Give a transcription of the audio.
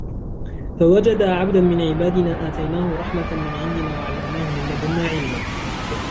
فَوَجَدَا عَبْدًا مِنْ عِبَادِنَا آتَيْنَاهُ رَحْمَةً مِنْ عِنْدِنَا وَعَلَّمْنَاهُ مِنْ لَدُنَّا عِلْمًا